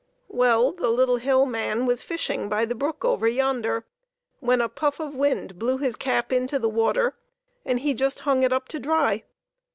Well, the little hill man was fishing by the brook over yonder when a puff of wind blew his cap into the water, and he just hung it up to dry.